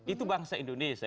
itu bangsa indonesia